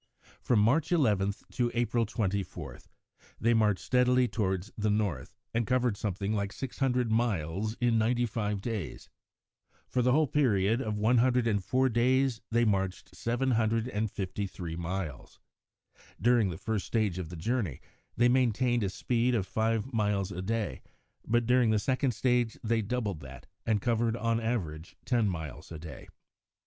From March 11 to April 24 they marched steadily towards the north, and covered something like six hundred miles in ninety five days. For the whole period of 104 days they marched 753 miles. During the first stage of the journey they maintained a speed of five miles a day, but during the second stage they doubled that, and covered, on an average, ten miles a day.